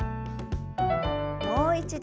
もう一度。